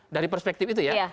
dari perspektif itu ya